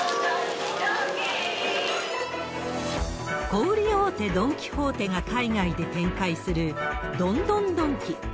小売り大手、ドン・キホーテが海外で展開する、ドンドンドンキ。